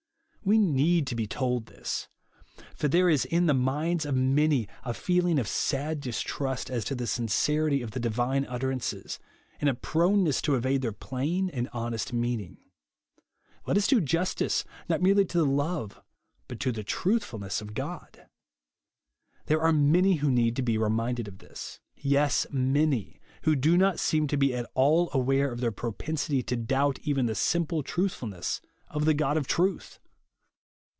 We need to be told this. For there is in the minds of many, a feeling of sad distrust as to the sincerity of the divine utterances, and a j)roneness to evo.de their plain and honest meaning. Let us do justice, not merely to the love, but to the truthfulness, of God. There are many who need to be reminded of this ;— yes, many, who do not seem to be at all aware of tXieir propensity to doubt even the simple truthfulness of the God of truth.